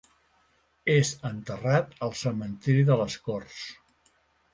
És enterrat al Cementiri de les Corts.